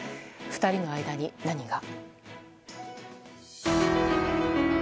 ２人の間に何が。